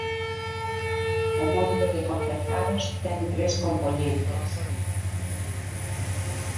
O módulo de concertados ten tres compoñentes.